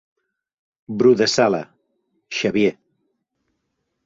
Bru de sala, Xavier.